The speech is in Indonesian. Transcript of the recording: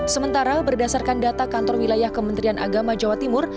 sementara berdasarkan data kantor wilayah kementerian agama jawa timur